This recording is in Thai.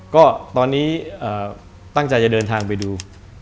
ก็ตอนนี้ตั้งใจจะเดินทางไปดู